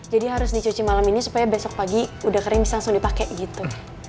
jadi harus dicuci malem ini supaya besok pagi udah kering bisa langsung dipakai gitu